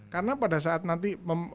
karena pada saat nanti